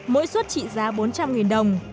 mỗi xuất trị giá bốn trăm linh đồng